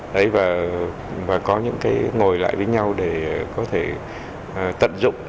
đấy và có những cái ngồi lại với nhau để có thể tận dụng